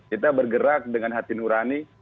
kita bergerak dengan hati nurani